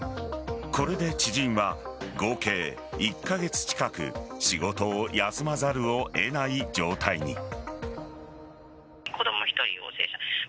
これで知人は合計１カ月近く仕事を休まざるを得ない状態に。